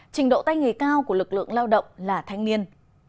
trình độ tay nghề cao của lực lượng lao động là thanh niên